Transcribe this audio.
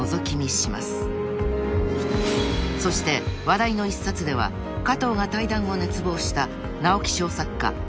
［そして話題の一冊では加藤が対談を熱望した］